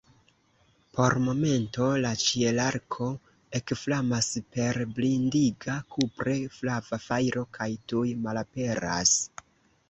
Por momento la ĉielarko ekflamas per blindiga kupre flava fajro kaj tuj malaperas.